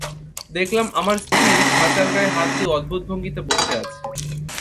দেখলাম আমার স্ত্রী খাঁচার গায়ে হাত দিয়ে অদ্ভুত ভঙ্গিতে বসে আছে।